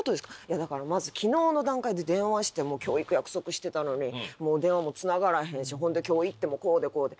「だからまず昨日の段階で電話して今日行く約束してたのに電話もつながらへんしほんで今日行ってもこうでこうで」。